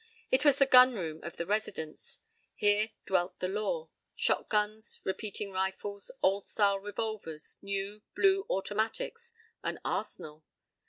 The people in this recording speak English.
It was the gun room of the Residence. Here dwelt the law. Shotguns, repeating rifles, old style revolvers, new, blue automatics. An arsenal!